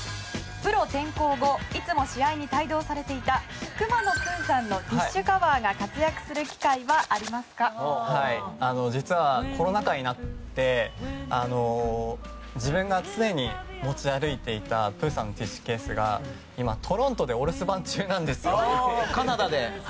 プロ転向後、いつも試合に帯同されていたくまのプーさんのティッシュカバーが活躍する機会は実は、コロナ禍になって自分が常に持ち歩いていたプーさんのティッシュケースがトロントでお留守番中なんですよ。